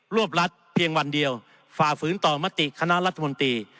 วบรัฐเพียงวันเดียวฝ่าฝืนต่อมติคณะรัฐมนตรี